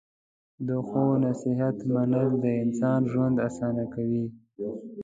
د ښو نصیحت منل د انسان ژوند اسانه کوي.